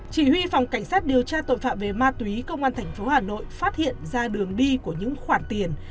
chỉ huy phòng cảnh sát điều tra tội phạm về ma túy công an tp hà nội phát hiện ra đường đi của những khoản tiền